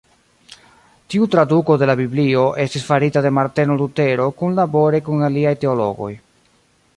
Tiu traduko de la Biblio estis farita de Marteno Lutero kunlabore kun aliaj teologoj.